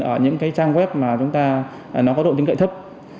ở những trang web mà nó có độ tính cậy thấp